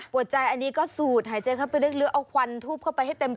ใจอันนี้ก็สูดหายใจเข้าไปลึกเอาควันทูบเข้าไปให้เต็ม